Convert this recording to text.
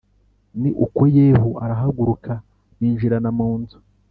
Ni uko Yehu arahaguruka binjirana mu nzu